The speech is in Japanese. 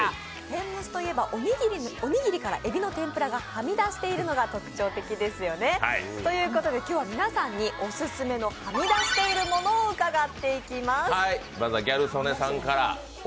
天むすといえばおにぎりからえびの天ぷらがはみ出しているのが特徴的ですよね。ということで今日は皆さんにオススメのはみ出している物を伺っていきます。